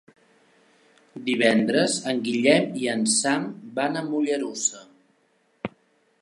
Divendres en Guillem i en Sam van a Mollerussa.